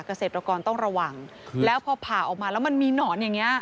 เกษตรกรต้องระวังแล้วพอผ่าออกมาแล้วมันมีหนอนอย่างเงี้